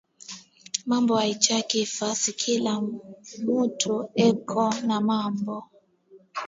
Mambo aichaki fasi kila mutu eko na mambo